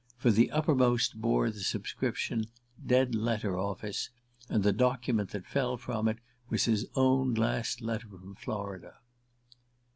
For the uppermost bore the superscription "Dead Letter Office," and the document that fell from it was his own last letter from Florida.